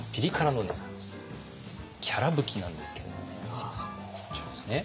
すいませんこちらですね。